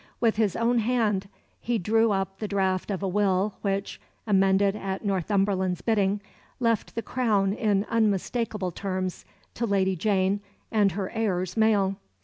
With his own hand he drew up the draft of a will which, amended at Northumberland's bidding, left the crown in unmistakable terms to Lady Jane and her heirs male.